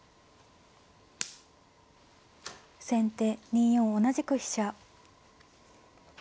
先手２四同じく飛車。